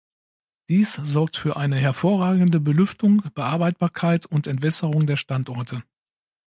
Dies sorgt für eine hervorragende Belüftung, Bearbeitbarkeit und Entwässerung der Standorte.